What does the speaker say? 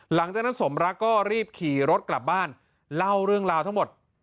หลังจากนั้นสมรักก็รีบขี่รถกลับบ้านเล่าเรื่องราวทั้งหมด